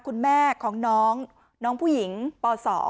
คุณแม่ของน้องน้องผู้หญิงป๒